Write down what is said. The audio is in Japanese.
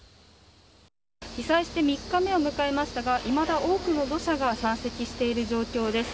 被災して３日目を迎えましたがいまだ多くの土砂が山積している状況です。